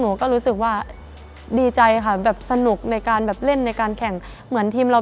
หนูก็รู้สึกว่าดีใจค่ะแบบสนุกในการแบบเล่นในการแข่งเหมือนทีมเรา